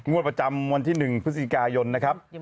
ประจำวันที่๑พฤศจิกายนนะครับ